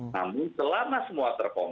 namun selama semua terkontrol